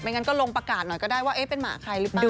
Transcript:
งั้นก็ลงประกาศหน่อยก็ได้ว่าเป็นหมาใครหรือเปล่า